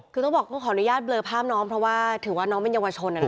คือต้องบอกต้องขออนุญาตเบลอภาพน้องเพราะว่าถือว่าน้องเป็นเยาวชน